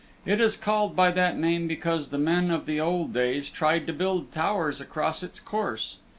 It is called by that name because the men of the old days tried to build towers across its course.